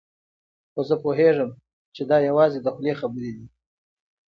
خو زه پوهېږم چې دا یوازې د خولې خبرې دي.